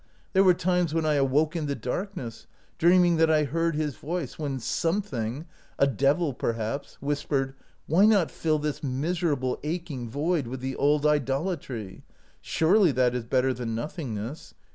There were times when I awoke in the darkness, dreaming that I heard his voice, when something — a devil, perhaps — whispered, ' Why not fill this mis erable aching void with the old idolatry ? Surely that is better than nothingness.